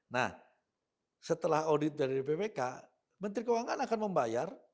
nah setelah audit dari bpk menteri keuangan akan membayar